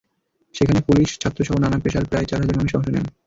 সেখানে পুলিশ, ছাত্রসহ নানা পেশার প্রায় চার হাজার মানুষ অংশ নেন।